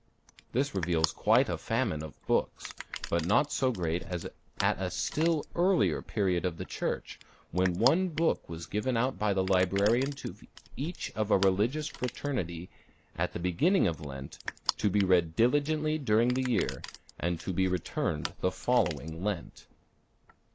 This reveals quite a famine of books, but not so great as at a still earlier period of the Church, when one book was given out by the librarian to each of a religious fraternity at the beginning of Lent, to be read diligently during the year, and to be returned the following Lent.